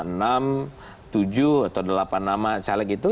enam tujuh atau delapan nama caleg itu